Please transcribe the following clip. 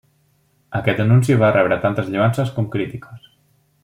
Aquest anunci va rebre tantes lloances com crítiques.